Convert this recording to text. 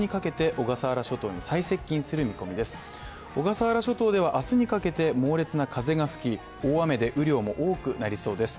小笠原諸島では明日にかけて猛烈な風が吹き、大雨で雨量も多くなりそうです。